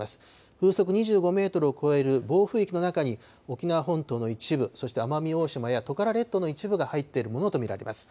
風速２５メートルを超える暴風域の中に、沖縄本島の一部、そして奄美大島やトカラ列島の一部が入っているものと見られます。